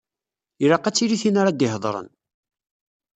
Ilaq ad tili tin ara d-iheḍṛen.